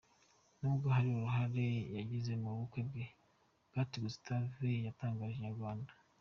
Nubwo hari uruhare yagize mu bukwe bwe, Kate Gustave yatangarije inyarwanda.